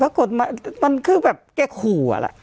ก็กฎหมายมันคือแบบแก่ขู่อะแหละ